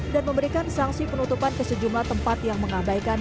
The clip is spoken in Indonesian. dan memberikan sanksi penutupan ke sejumlah tempat yang mengabaikan